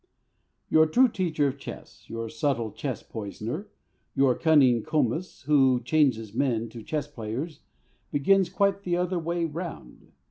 Your true teacher of chess, your subtle chess poisoner, your cunning Comus who changes men to chess players, begins quite the other way round.